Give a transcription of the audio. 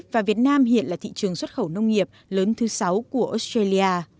và việt nam hiện là thị trường xuất khẩu nông nghiệp lớn thứ sáu của australia